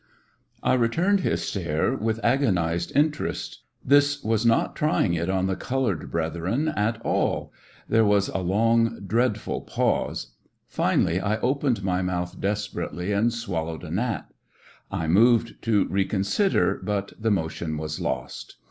I returned his stare with agonized inter est. This was not trying it on the colored brethren at all. There was a long, dreadful pause. Finally I opened my mouth desper ately, and swallowed a gnat I I moved to re consider, but the motion was lost.